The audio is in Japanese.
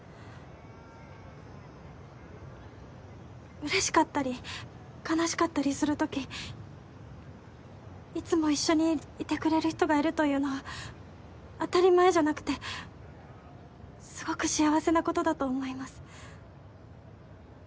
うれしかったり悲しかったりする時いつも一緒にいてくれる人がいるというのは当たり前じゃなくてすごく幸せなことだと思います。